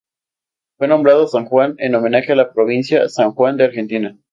Fue nombrado San Juan en homenaje a la provincia "San Juan" de Argentina.